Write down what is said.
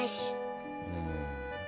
うん。